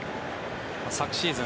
昨シーズン